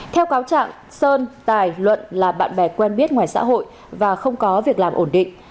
theo cáo trạng sơn tài luận là bạn bè quen biết ngoài xã hội và không có việc làm ổn định